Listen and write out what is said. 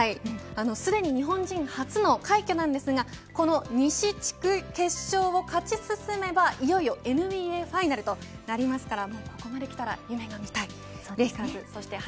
すでに日本人初の快挙なんですがこの西地区決勝を勝ち進めばいよいよＮＢＡファイナルとなりますから、ここまできたら夢が見たい。